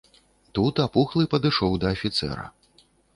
Тут апухлы падышоў да афіцэра.